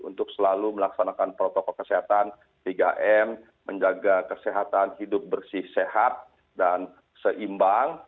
untuk selalu melaksanakan protokol kesehatan tiga m menjaga kesehatan hidup bersih sehat dan seimbang